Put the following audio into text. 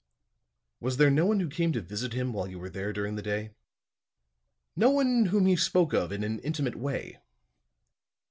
"Was there no one who came to visit him while you were there during the day. No one whom he spoke of in an intimate way?"